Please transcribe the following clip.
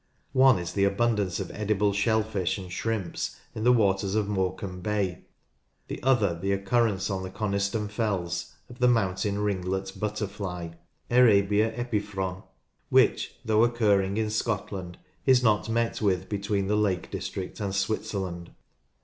One is the abundance of edible shellfish and shrimps in the waters of Morecambe Bay ; the other, the occurrence on the Coniston Fells of the mountain ringlet butterfly (Erebia eplphron), which, though occurring in Scotland, is not met with between the Lake District and Switzerland.